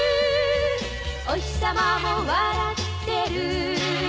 「おひさまも笑ってる」